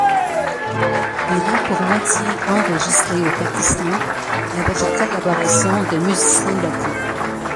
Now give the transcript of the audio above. Il est pour moitié enregistré au Pakistan avec la collaboration de musiciens locaux.